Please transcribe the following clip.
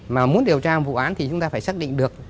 mà muốn điều tra một vụ án thì chúng ta phải xác định được